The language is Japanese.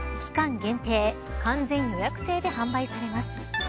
限定完全予約制で販売されます。